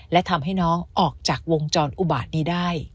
และทำให้น้องออกจากวงจรอุบาตนี้ได้